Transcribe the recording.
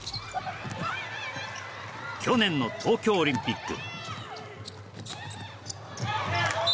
去年の東京オリンピック。